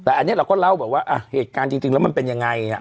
แต่อันนี้เราก็เล่าแบบว่าเหตุการณ์จริงแล้วมันเป็นยังไง